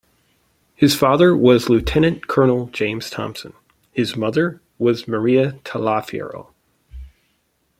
His father was Lieutenant Colonel James Thompson, his mother was Maria Taliaferro.